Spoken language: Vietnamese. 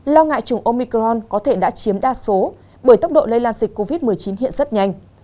lo ngại chủng omicron có thể đã chiếm đa số bởi tốc độ lây lan dịch covid một mươi chín hiện rất nhanh